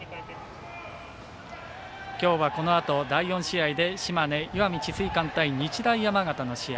きょうは、このあと第４試合で島根・石見智翠館と日大山形の試合。